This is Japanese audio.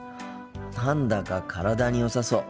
何だか体によさそう。